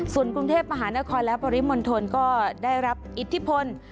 ส่วนกรุงเทพมหานครและปริมณฑลก็ได้รับอิทธิพล